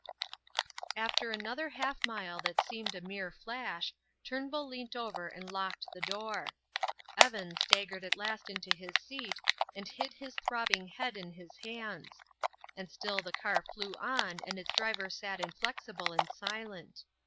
After another half mile that seemed a mere flash, Turnbull leant over and locked the door. Evan staggered at last into his seat and hid his throbbing head in his hands; and still the car flew on and its driver sat inflexible and silent.